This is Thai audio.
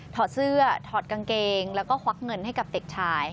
อดเสื้อถอดกางเกงแล้วก็ควักเงินให้กับเด็กชาย